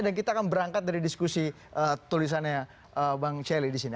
kita akan berangkat dari diskusi tulisannya bang celi di sini